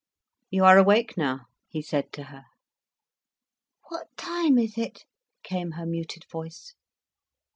"You are awake now," he said to her. "What time is it?" came her muted voice.